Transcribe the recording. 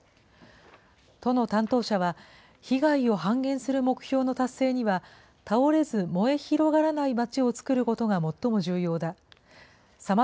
都の担当者は、被害を半減する目標の達成には、倒れず燃え広がらない町をつくることが最も重要だ。